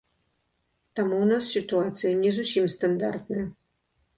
Таму ў нас сітуацыя не зусім стандартная.